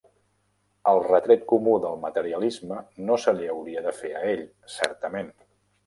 El retret comú del materialisme no se li hauria de fer a ell, certament.